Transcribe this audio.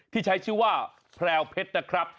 ที่ใช้ชื่อว่าแพรวเพชรนะครับ